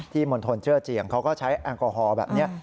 มณฑลเจอร์เจียงเขาก็ใช้แอลกอฮอล์แบบนี้